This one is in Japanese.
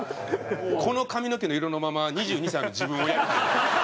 この髪の毛の色のまま２２歳の自分をやるっていう。